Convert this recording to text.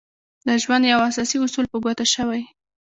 د ژوند يو اساسي اصول په ګوته شوی.